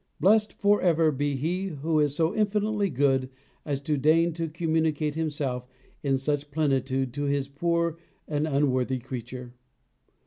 Blessed for ever be He who is so infinitely good as to deign to communicate Himself in such plenitude to His poor and unworthy creature.